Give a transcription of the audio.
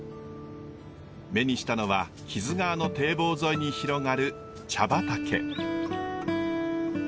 目にしたのは木津川の堤防沿いに広がる茶畑。